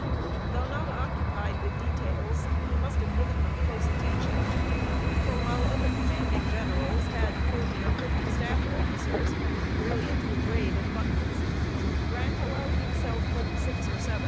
Though not occupied with details, he must have given them close attention; for, while other commanding generals had forty or fifty staff officers, brilliant with braid and buttons, Grant allowed himself but six or seven.